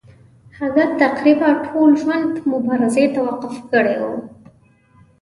هغه تقریبا ټول ژوند مبارزې ته وقف کړی وو.